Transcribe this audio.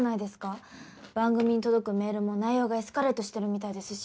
番組に届くメールも内容がエスカレートしてるみたいですし。